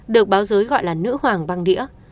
được báo giới gọi là nữ hoàng băng đĩa